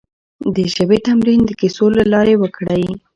د ژبې تمرين د کيسو له لارې وکړئ.